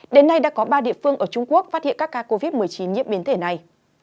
đến nay đã có ba địa phương ở trung quốc phát hiện các ca covid một mươi chín nhiễm biến thể này